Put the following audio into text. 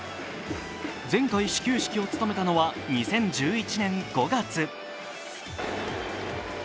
前回、始球式を務めたのは２０１１年５月。